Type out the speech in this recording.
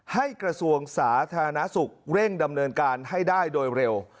กระทรวงสาธารณสุขเร่งดำเนินการให้ได้โดยเร็ว